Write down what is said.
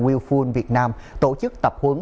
willfull việt nam tổ chức tập huấn